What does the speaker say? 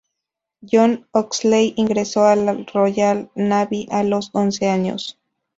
John Oxley ingresó a la Royal Navy a los once años.